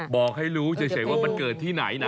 บอกให้รู้เฉยว่ามันเกิดที่ไหนนะ